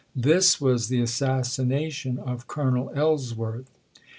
This was the assassina tion of Colonel Ellsworth.